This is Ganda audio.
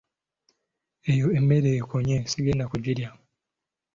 Eyo emmere ekonye sigenda kugirya.